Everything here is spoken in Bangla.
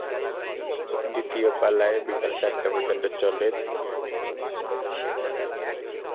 দ্বিতীয় পালায় বিকেল চারটা পর্যন্ত চলে তৃতীয় থেকে পঞ্চম শ্রেণির কার্যক্রম।